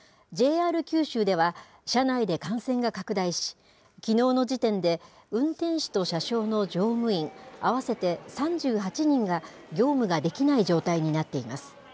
ＪＲ九州では、社内で感染が拡大し、きのうの時点で、運転士と車掌の乗務員合わせて３８人が、業務ができない状態になっています。